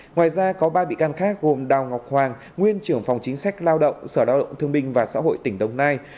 ngoài ra có ba bị can khác gồm đào ngọc hoàng nguyên trưởng phòng chính sách lao động sở lao động thương binh và xã hội tỉnh đồng nai